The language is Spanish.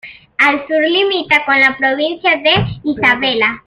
Al sur, limita con la provincia de Isabela.